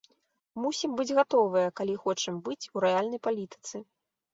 Мусім быць гатовыя, калі хочам быць у рэальнай палітыцы.